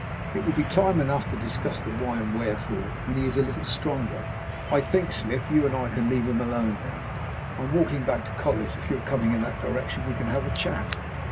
It will be time enough to discuss the why and the wherefore when he is a little stronger. I think, Smith, you and I can leave him alone now. I am walking back to college; if you are coming in that direction, we can have a chat."